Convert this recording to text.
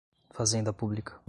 Fazenda Pública